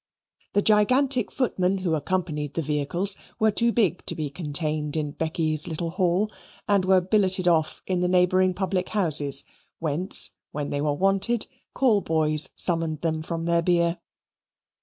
The gigantic footmen who accompanied the vehicles were too big to be contained in Becky's little hall, and were billeted off in the neighbouring public houses, whence, when they were wanted, call boys summoned them from their beer.